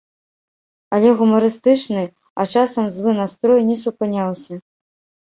Але гумарыстычны, а часам злы настрой не супыняўся.